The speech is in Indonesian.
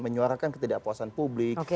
menyuarakan ketidakpuasan publik